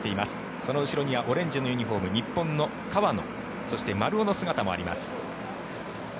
その後ろにはオレンジのユニホーム日本の川野そして丸尾の姿もあります。